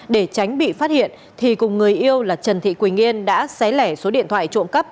để tránh bị phát hiện thì cùng người yêu là trần thị quỳnh yên đã xé lẻ số điện thoại trộm cắp